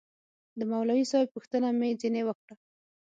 د مولوي صاحب پوښتنه مې ځنې وكړه.